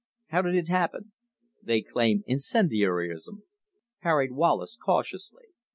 How did it happen?" "They claim incendiarism," parried Wallace cautiously.